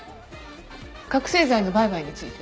覚醒剤の売買については？